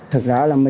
thưa quý vị